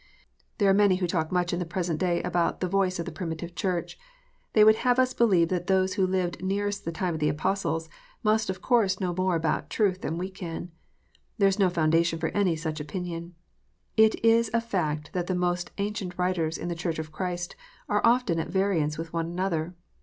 There are many who talk much in the present day about " the voice of the primitive Church." They would have us believe that those who lived nearest the time of the Apostles, must of course know more about truth than we can. There is no foundation for any such opinion. It is a fact that the most ancient writers in the Church of Christ are often at variance with one another.